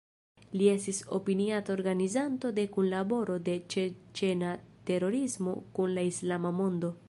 Li estis opiniata organizanto de kunlaboro de ĉeĉena terorismo kun la islama mondo.